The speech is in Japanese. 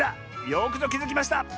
よくぞきづきました！